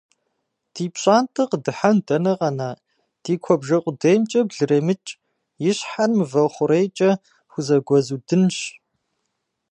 Ди пщӏантӏэ къыдыхьэн дэнэ къэна, ди куэбжэ къудеймкӏэ блыремыкӏ, и щхьэр мывэ хъурейкӏэ хузэгуэзудынщ.